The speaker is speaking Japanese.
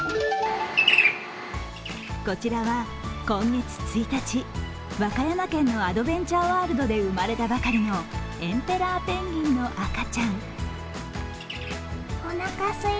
こちらは今月１日、和歌山県のアドベンチャーワールドで生まれたばかりのエンペラーペンギンの赤ちゃん。